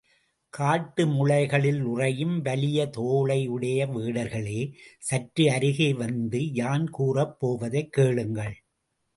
காட்டு முழைகளிலுறையும் வலிய தோளையுடைய வேடர்களே, சற்று அருகே வந்து யான் கூறப் போவதைக் கேளுங்கள்.